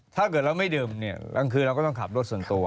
ถ้าเกิดเราไม่ดื่มเนี่ยกลางคืนเราก็ต้องขับรถส่วนตัว